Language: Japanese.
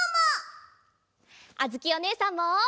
あづきおねえさんも！